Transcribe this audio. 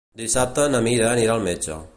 Dissabte na Mira anirà al metge.